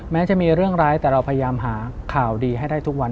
แม้จะมีเรื่องร้ายแต่เราพยายามหาข่าวดีให้ได้ทุกวัน